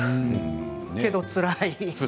けど、つらい。